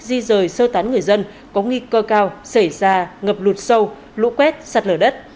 di rời sơ tán người dân có nguy cơ cao xảy ra ngập lụt sâu lũ quét sạt lở đất